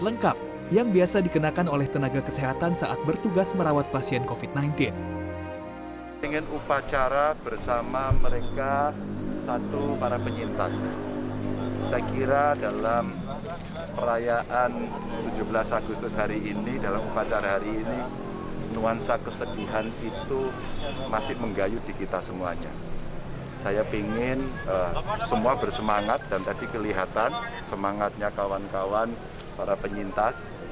pemerintah provinsi jawa mengadakan upacara dengan cara yang berbeda dari biasanya